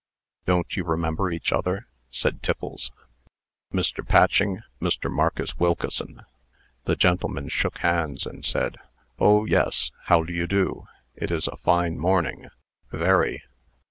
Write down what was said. "Don't you remember each other?" said Tiffles. "Mr. Patching. Mr. Marcus Wilkeson." The gentlemen shook hands, and said: "Oh, yes! How do you do? It is a fine morning. Very."